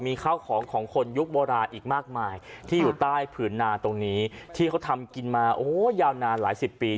มีข้าวของของคนยุคโบราณอีกมากมายที่อยู่ใต้ผืนนาตรงนี้ที่เขาทำกินมาโอ้โหยาวนานหลายสิบปี